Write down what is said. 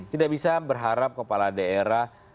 tidak bisa berharap kepala daerah